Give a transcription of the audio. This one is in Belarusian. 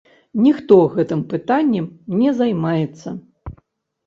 Ніхто гэтым пытаннем не займаецца.